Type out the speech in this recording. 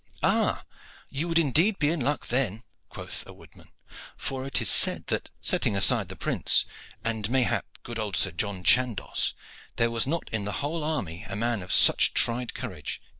"Ah, you would indeed be in luck then," quoth a woodman; "for it is said that, setting aside the prince, and mayhap good old Sir John Chandos, there was not in the whole army a man of such tried courage."